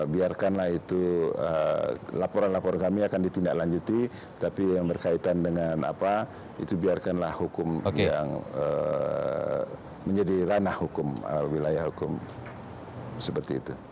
biarkanlah itu laporan laporan kami akan ditindaklanjuti tapi yang berkaitan dengan apa itu biarkanlah hukum yang menjadi ranah hukum wilayah hukum seperti itu